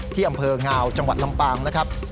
ที่อำเภองาวจังหวัดลำปางนะครับ